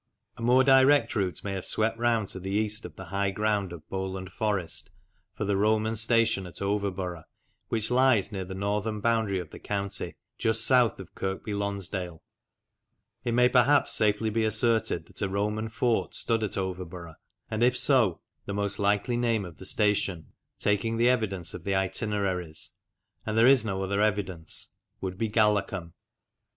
A more direct route may have swept round to the east of the high ground of Bowland Forest for the Roman station at Overborough, which lies near the northern boundary of the county just south of Kirkby Lonsdale. It may perhaps safely be asserted that a Roman fort stood at Overborough, and if so the most likely name of the station, taking the evidence of the Itineraries and there is no other evidence would be Galacum.